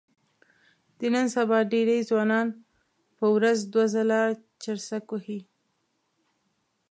د نن سبا ډېری ځوانان په ورځ دوه ځله چرسک وهي.